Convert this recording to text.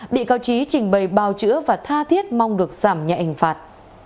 bị cao trí trình bày bào chữa và tha thiết mong được giảm nhà ảnh phạt